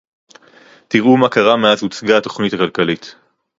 תראו מה קרה מאז הוצגה התוכנית הכלכלית